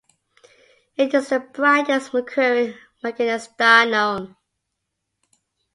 It is the brightest mercury-manganese star known.